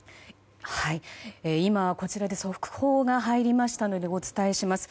今、こちらで速報が入りましたのでお伝えします。